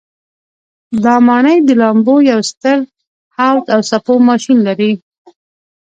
دا ماڼۍ د لامبو یو ستر حوض او څپو ماشین لري.